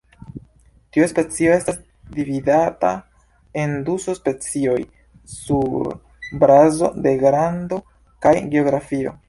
Tiu specio estas dividata en du subspecioj sur bazo de grando kaj geografio.